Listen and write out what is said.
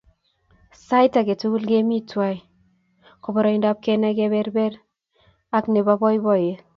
Sait ake tukul kemi twai ko poroindap kenai kepeper ake ne po poipoiyet